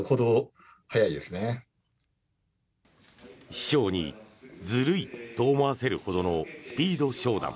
師匠にずるいと思わせるほどのスピード昇段。